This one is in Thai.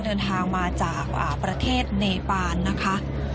เดินทางมาจากประเทศเนปานนะคะ